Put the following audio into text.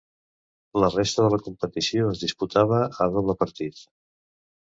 La resta de la competició es disputava a doble partit.